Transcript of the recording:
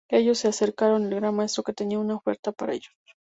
Ellos se acercaron al Gran Maestro que tenía una oferta para ellos.